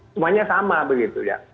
semuanya sama begitu ya